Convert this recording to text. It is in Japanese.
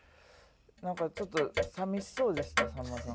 なんかちょっと寂しそうでしたさんまさん。